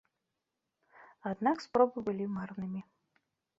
Аднак спробы былі марнымі.